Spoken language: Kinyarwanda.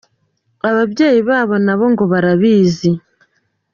Ababyeyi babo na bo ngo barabizi.